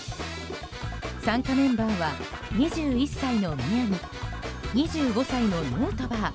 参加メンバーは２１歳の宮城２５歳のヌートバー